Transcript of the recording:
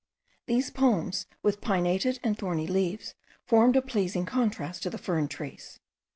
These palms with pinnated and thorny leaves formed a pleasing contrast to the fern trees.